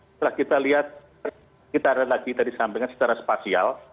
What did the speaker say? setelah kita lihat kita ada lagi tadi sampaikan secara spasial